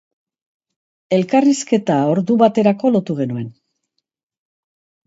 Elkarrizketa ordu baterako lotu genuen.